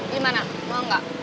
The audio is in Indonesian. gimana mau gak